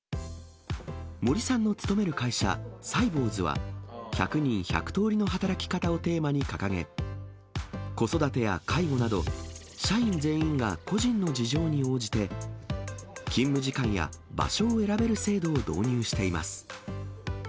森さんの勤める会社、サイボウズは、１００人１００通りの働き方をテーマに掲げ、子育てや介護など、社員全員が個人の事情に応じて、勤務時間や場所を選べる制度を導入しています。